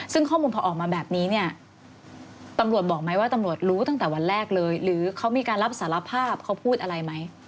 ซึ่งข้อมูลพอออกมาแบบนี้เนี่ยตำรวจบอกไหมว่าตำรวจรู้ตั้งแต่วันแรกเลยหรือเขามีการรับสารภาพเขาพูดอะไรไหม